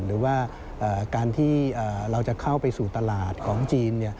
หรือว่าการที่เราจะเข้าไปสู่ตลาดของจีน